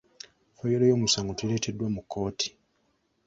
Fayiro y’omusango tereeteddwa mu kkooti.